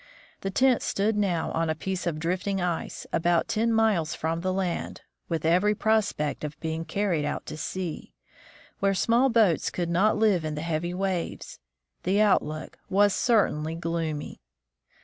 The tent stood now on a piece of drifting ice, about ten miles from land, with every prospect of being carried out to sea, where small boats could not live in the heavy waves. The outlook was certainly gloomy.